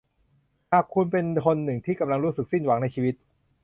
หากคุณเป็นคนหนึ่งที่กำลังรู้สึกสิ้นหวังในชีวิต